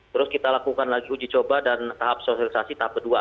terus kita lakukan lagi uji coba dan tahap sosialisasi tahap kedua